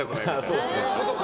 そういうことか。